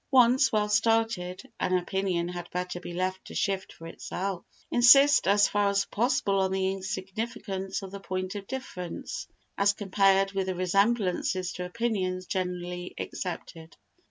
Once well started, an opinion had better be left to shift for itself. Insist as far as possible on the insignificance of the points of difference as compared with the resemblances to opinions generally accepted.